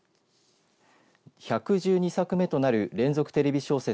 １１２作目となる連続テレビ小説